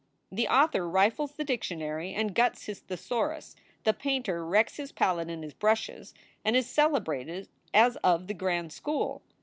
The author rifles the dictionary and guts his thesaurus, the painter wrecks his palette and his brushes, and is celebrated as of the grand school.